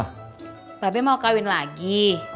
mbak be mau kawin lagi